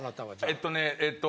えっとねえっと